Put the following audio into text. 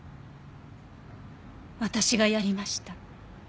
私がやりました。